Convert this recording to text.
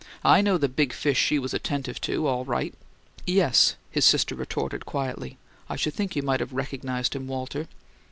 I know the big fish she was attentive to, all right, too." "Yes," his sister retorted, quietly. "I should think you might have recognized him, Walter."